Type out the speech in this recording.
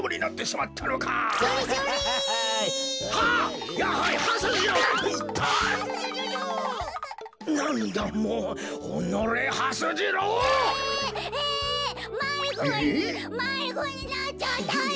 まいごにまいごになっちゃったよ！